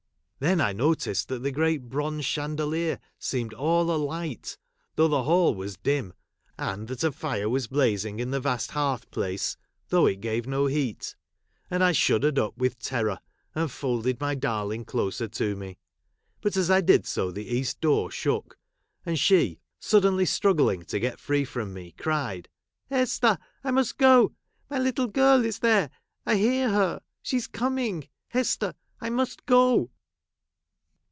Then I il noticed that the great bronze chandelier seemed j all alight, though the hall was dim, and that a fire was blazing in the vast hearth place, j though it gave no heat ; and I shuddered up with terror, and folded my darling closer to i me. But as I did so, the east door shook, and 1 she, suddenly struggling to get free from me, cried, " Hester ! I must go ! My little girl is 1 there ; I hear her ; she is coming ! Hester, I must go